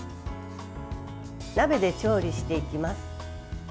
鍋で調理していきます。